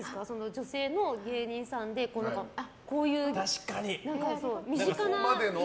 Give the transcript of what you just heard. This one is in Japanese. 女性の芸人さんでこういう身近な人の。